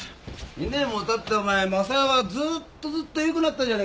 ２年もたってお前昌代はずーっとずっとよくなったじゃねえかよ。